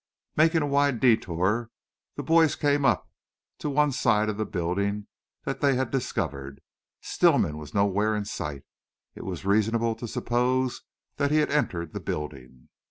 Making a wide detour the boys came up to one side of the building that they had discovered. Stillman was nowhere in sight. It was reasonable to suppose that he had entered the building.